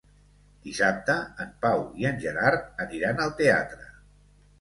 Dissabte en Pau i en Gerard aniran al teatre.